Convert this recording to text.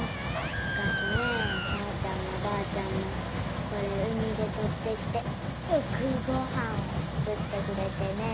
むかしねばあちゃんのばあちゃんもこれ海でとってきてよくごはんを作ってくれてね。